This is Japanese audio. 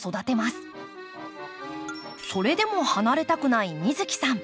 それでも離れたくない美月さん。